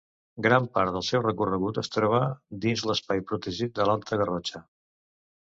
Gran part del seu recorregut es troba dins l'espai protegit de l'Alta Garrotxa.